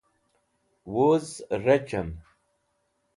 wuz rech'em